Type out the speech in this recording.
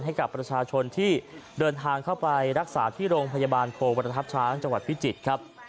ให้กับประชาชนที่เดินทางเข้าไปรักษาที่โรงพยาบาลโพวรทัพช้างจังหวัดพิจิตรครับ